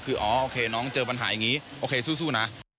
คืออ๋อโอเคน้องเจอปัญหาอย่างนี้โอเคสู้นะ